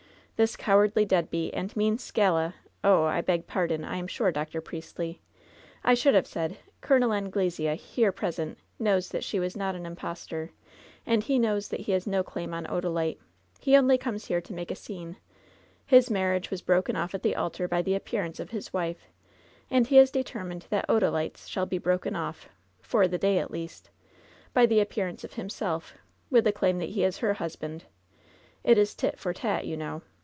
This cowardly dead beat and mean skala Oh I I beg pardon, I am sure. Dr. Priestly. I should have said: Col. Anglesea, here present, knows that she was not an impostor, and he knows that he has no claim on Odalite. He only comes here to make a scene. His marriage was broken off at the altar by the appearance of his wife, and he is determined that Odalite's shall be broken off, for the day at least, by the appearance of himself, with the claim that he is her husband. It is 'tit for tat,' you know.